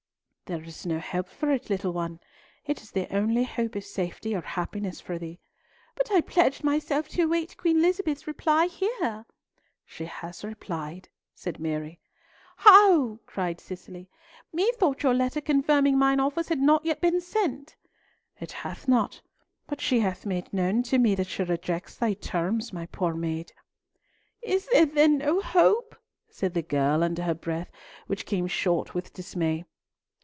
"There is no help for it, little one. It is the only hope of safety or happiness for thee." "But I pledged myself to await Queen Elizabeth's reply here!" "She has replied," said Mary. "How?" cried Cicely. "Methought your letter confirming mine offers had not yet been sent." "It hath not, but she hath made known to me that she rejects thy terms, my poor maid." "Is there then no hope?" said the girl, under her breath, which came short with dismay.